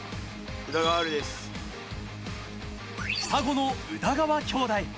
双子の宇田川兄弟。